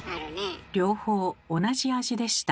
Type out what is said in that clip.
両方同じ味でした。